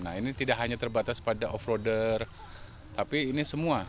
nah ini tidak hanya terbatas pada off roader tapi ini semua